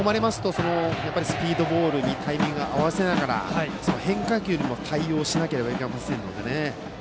追い込まれますとスピードボールにタイミングを合わせながら変化球にも対応しなければいけませんのでね。